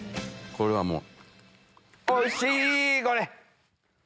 これはもう。